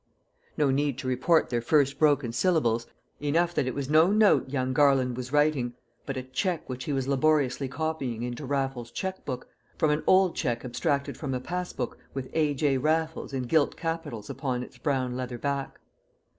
No need to report their first broken syllables: enough that it was no note young Garland was writing, but a cheque which he was laboriously copying into Raffles's cheque book, from an old cheque abstracted from a pass book with A. J. RAFFLES in gilt capitals upon its brown leather back.